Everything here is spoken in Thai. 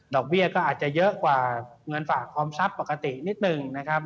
เบี้ยก็อาจจะเยอะกว่าเงินฝากออมทรัพย์ปกตินิดหนึ่งนะครับ